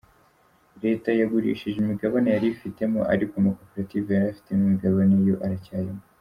Leta yagurishije imigabane yari ifitemo ariko amakoperative yari afitemo imigabane yo aracyarimo.